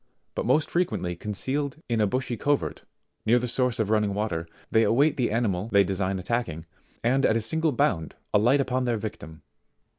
69 most frequently concealed in a bushy covert, near the source of running water, they await the animal they design attacking, and at a single bound alight upon their victim.